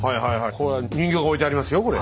これは人形が置いてありますよこれ。